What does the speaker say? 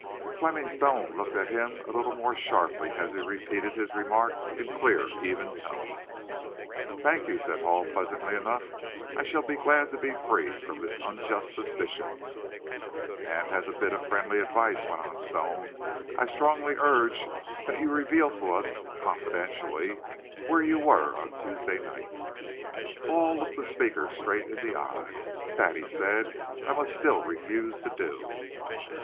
Fleming Stone looked at him a little more sharply as he repeated his remark in clear, even tones. "Thank you," said Hall, pleasantly enough. "I shall be glad to be free from this unjust suspicion." "And as a bit of friendly advice," went on Stone, "I strongly urge that you, reveal to us, confidentially, where you were on Tuesday night." Hall looked the speaker straight in the eye. "That," he said, "I must still refuse to do."